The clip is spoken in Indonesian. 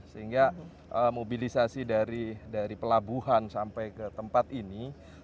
sehingga mobilisasi dari pelabuhan sampai ke tempat ini